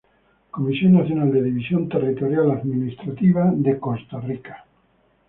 Comisión Nacional de División Territorial Administrativa de Costa Rica.